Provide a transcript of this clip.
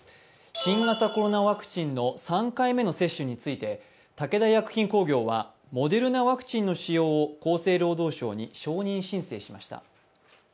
新型コロナワクチンの３回目の接種について武田薬品工業はモデルナワクチンの使用を厚生労働省に承認申請しました。